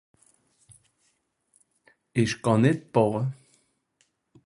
ìsch kà net bàche